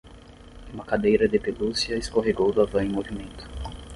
Uma cadeira de pelúcia escorregou da van em movimento.